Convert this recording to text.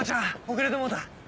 遅れてもうた。